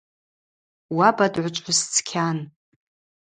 Уаба дгӏвычӏвгӏвыс цкьан.